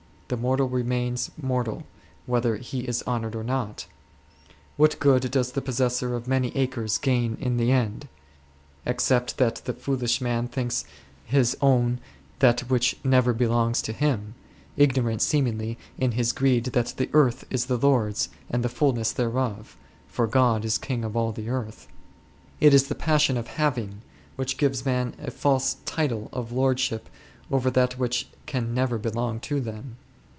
The mortal remains mortal whether he is honoured or not. What good does the possessor of many acres gain in the end ? Except that the foolish man thinks his own that which never belongs to him, ignorant seemingly in his greed that " the earth is the Lord's, and the fulness thereof 9," for " God is king of all the earth 9." It is the passion of having which gives men a false title of lordship over that which can never belong to them.